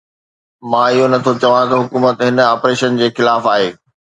مان اهو نٿو چوان ته حڪومت هن آپريشن جي خلاف آهي.